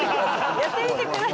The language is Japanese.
やってみてください。